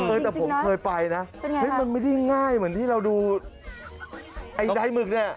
เออแต่ผมเคยไปนะเฮ้ยมันไม่ได้ง่ายเหมือนที่เราดูไอ้ใดหมึกเนี่ย